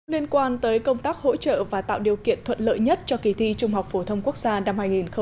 liên quan tới công tác hỗ trợ và tạo điều kiện thuận lợi nhất cho kỳ thi trung học phổ thông quốc gia năm hai nghìn một mươi chín